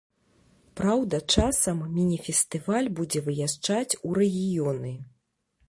Праўда, часам міні-фестываль будзе выязджаць у рэгіёны.